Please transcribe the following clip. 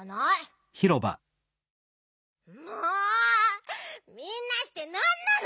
もうみんなしてなんなの？